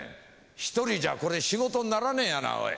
一人じゃこれ仕事にならねえやなおい。